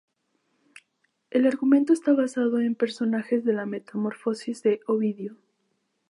El argumento está basado en pasajes de las metamorfosis de Ovidio.